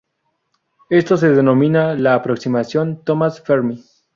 Esto se denomina la aproximación Thomas–Fermi.